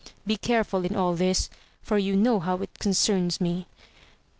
Be careful in all this, for you know how it concerns me.